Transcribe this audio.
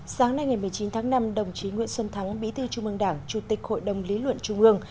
sáng nay một mươi chín tháng năm đồng chí nguyễn xuân thắng bỉ tư trung ương đảng chủ tịch hội đồng lý luận trung ương